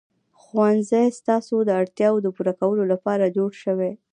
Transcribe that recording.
ښوونځی ستاسې د اړتیاوو د پوره کولو لپاره جوړ شوی.